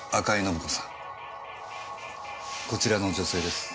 こちらの女性です。